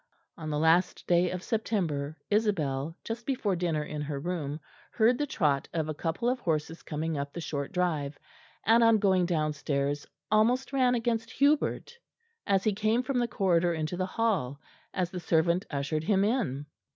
On the last day of September Isabel, just before dinner in her room, heard the trot of a couple of horses coming up the short drive, and on going downstairs almost ran against Hubert as he came from the corridor into the hall, as the servant ushered him in.